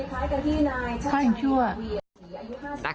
พ่ออีกชั่ว